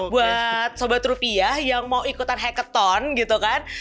buat sobat rupiah yang mau ikutan hacket tone gitu kan